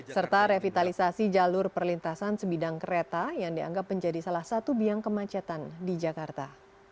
serta revitalisasi jalur perlintasan sebidang kereta yang dianggap menjadi salah satu biang kemacetan di jakarta